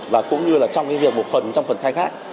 và cũng như là trong cái việc một phần trong phần khai thác